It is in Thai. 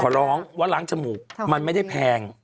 ร้องว่าล้างจมูกมันไม่ได้แพง